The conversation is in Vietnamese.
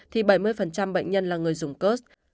thì bảy mươi bệnh nhân là người dùng cơ sở